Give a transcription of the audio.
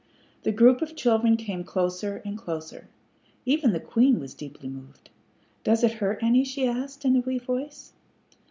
The group of children came closer and closer. Even the queen was deeply moved. "Does it hurt any?" she asked, in a wee voice.